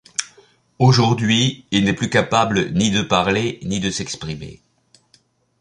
Aujourd'hui, il n'est plus capable ni de parler, ni de s'exprimer.